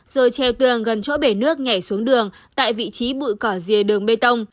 rồi treo tường gần chỗ bể nước nhảy xuống đường tại vị trí bụi cỏ rìa đường bê tông